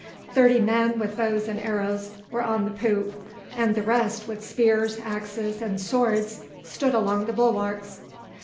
Thirty men with bows and arrows were on the poop, and the rest, with spears, axes, and swords, stood along the bulwarks.